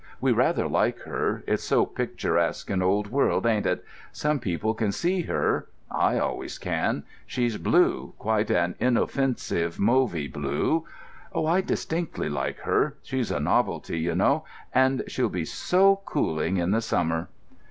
We rather like her—it's so picturesque and old world, ain't it? Some people can see her—I always can. She's blue—quite an inoffensive mauvy blue. Oh, I distinctly like her. She's a novelty, ye know: and she'll be so cooling in the summer!"